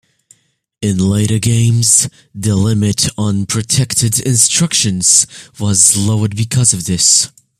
In later games the limit on protected instructions was lowered because of this.